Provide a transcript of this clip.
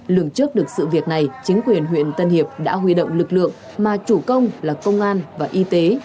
lường trước được sự việc này chính quyền huyện tân hiệp đã huy động lực lượng mà chủ công là công an và y tế